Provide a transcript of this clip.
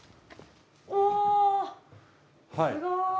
おすごい。